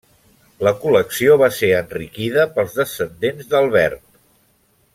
La col·lecció va ser enriquida pels descendents d'Albert.